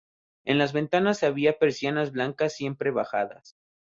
En las ventanas había persianas blancas siempre bajadas.